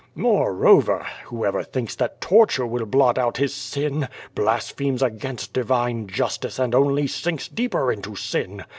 / "Moreover, whoever tliinks that torture will blot out his Kin, blasphemes against divine justice and only sinks deeper into sin.